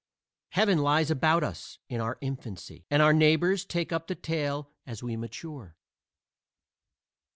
"Heaven lies about us in our infancy," and our neighbors take up the tale as we mature.